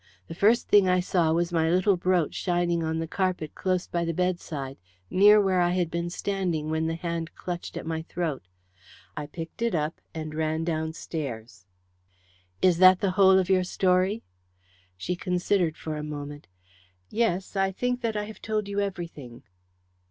The first thing I saw was my little brooch shining on the carpet, close by the bedside, near where I had been standing when the hand clutched at my throat. I picked it up and ran downstairs." "Is that the whole of your story?" She considered for a moment. "Yes, I think that I have told you everything."